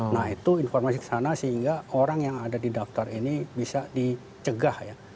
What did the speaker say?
nah itu informasi kesana sehingga orang yang ada di daftar ini bisa dicegah ya